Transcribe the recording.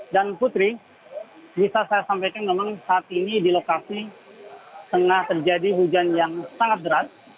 dan putri bisa saya sampaikan memang saat ini di lokasi tengah terjadi hujan yang sangat deras